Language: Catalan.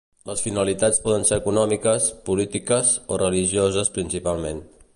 Les finalitats poden ser econòmiques, polítiques o religioses principalment.